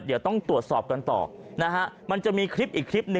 เดี๋ยวต้องตรวจสอบกันต่อนะฮะมันจะมีคลิปอีกคลิปหนึ่ง